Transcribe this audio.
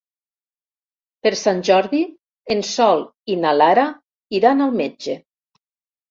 Per Sant Jordi en Sol i na Lara iran al metge.